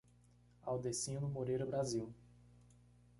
Audecino Moreira Brasil